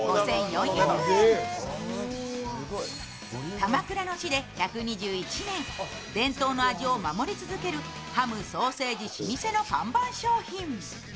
鎌倉の地で１２１年、伝統の味を守り続けるハム、ソーセージ老舗の看板商品。